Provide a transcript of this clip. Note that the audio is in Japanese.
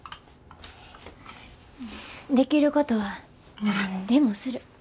できることは何でもする。